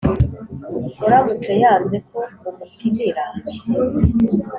Uramutse yanze ko mumupimira